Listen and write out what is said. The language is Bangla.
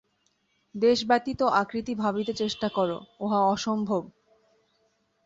দেশব্যতীত আকৃতি ভাবিতে চেষ্টা কর, উহা অসম্ভব।